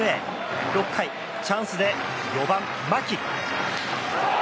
６回、チャンスで４番、牧。